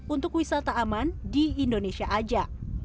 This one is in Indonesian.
untuk wisata aman di indonesia aja